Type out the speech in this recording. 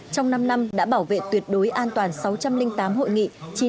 trong năm năm đã bảo vệ tuyệt đối an toàn sáu trăm linh tám hội nghị